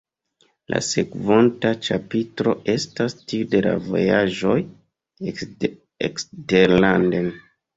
La sekvonta ĉapitro estas tiu de la vojaĝoj eksterlanden.